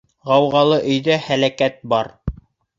Ғауғалы өйҙә һәләкәт бар.